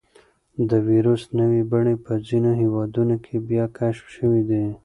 د وېروس نوې بڼې په ځینو هېوادونو کې بیا کشف شوي دي.